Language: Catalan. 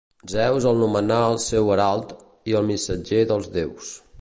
Zeus el nomenà el seu herald i el missatger dels déus.